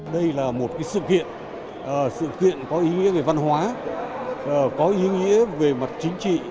đây là một sự kiện có ý nghĩa về văn hóa có ý nghĩa về mặt chính trị